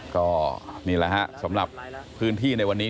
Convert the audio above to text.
ก็นี่ล่ะครับสำหรับพื้นที่ในวันนี้